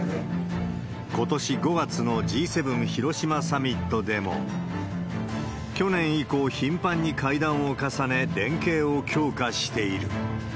ことし５月のＧ７広島サミットでも、去年以降、頻繁に会談を重ね、連携を強化している。